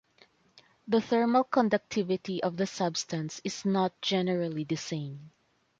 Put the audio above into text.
The thermal conductivity of the substance is not generally the same.